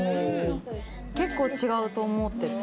結構違うと思ってて。